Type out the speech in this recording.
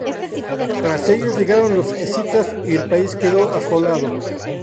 Tras ellos llegaron los escitas y el país quedó asolado.